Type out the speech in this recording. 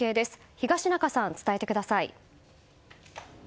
東中さん、伝えてください。